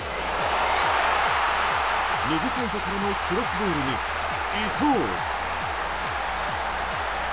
右サイドからのクロスボールに伊東。